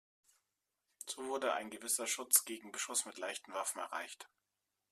So wurde ein gewisser Schutz gegen Beschuss mit leichten Waffen erreicht.